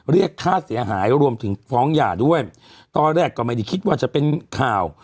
เรียกค่าเสียหายรวมถึงฟ้องหย่าด้วยตอนแรกก็ไม่ได้คิดว่าจะเป็นข่าว